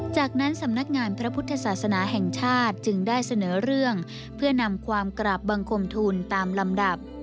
จากนั้นสำนักงานพระพุทธศาสนาแห่งชาติจึงได้เสนอเรื่องเพื่อนำความกราบบังคมทุนตามลำดับ